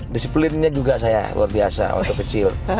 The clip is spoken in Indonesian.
disiplinnya juga saya luar biasa waktu kecil